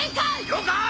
了解！